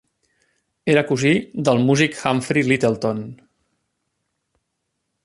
Era cosí del músic Humphrey Lyttelton.